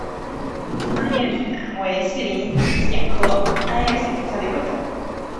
鞍叶藓为细鳞藓科鞍叶藓属下的一个种。